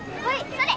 それ。